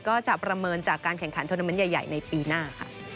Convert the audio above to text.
ก็จะประเมินจากการแข่งขันโทรนมันใหญ่ในปีหน้า